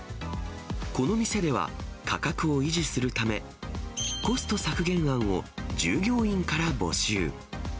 この店では、価格を維持するため、コスト削減案を従業員から募集。